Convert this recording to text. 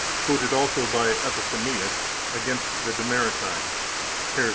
quoted also by Epiphanius against the Dimoeritae (Haeres.